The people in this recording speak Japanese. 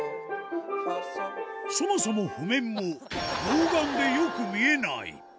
そもそも譜面も、老眼でよく見えない。